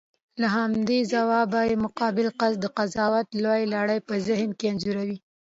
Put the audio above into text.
له همدې ځوابه یې مقابل کس د قضاوت لویه لړۍ په ذهن کې انځوروي.